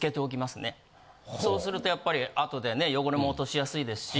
そうするとやっぱり後でね汚れも落としやすいですし。